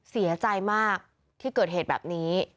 เสียใจมากที่เกิดเหตุแบบนี้